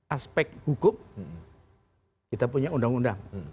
aspek hukum kita punya undang undang